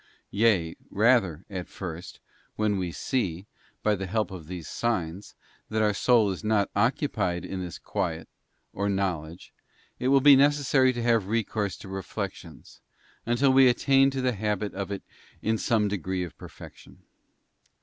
Yea, rather, at first, when we see, by the help of these signs, that our soul is not occupied in this quiet, or knowledge, it will be necessary to have recourse to reflections, until we attain to the habit of it in some degree of perfection.